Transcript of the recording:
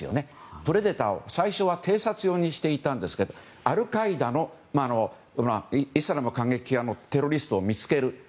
プレデターを最初は偵察用にしていたんですがアルカイダのイスラム過激派のテロリストを見つける。